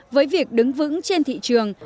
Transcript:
với việc đứng vững trên thị trường